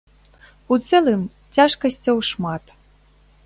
У цэлым, цяжкасцяў шмат.